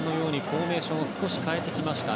フォーメーションを少し変えてきました。